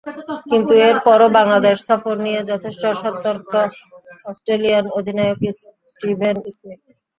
কিন্তু এরপরও বাংলাদেশ সফর নিয়ে যথেষ্ট সতর্ক অস্ট্রেলিয়ান অধিনায়ক স্টিভেন স্মিথ।